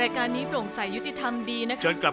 รายการนี้โปร่งสายยุติธรรมดีนะครับ